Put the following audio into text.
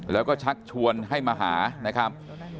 แล้วก็ชักชวนให้มาหานะครับ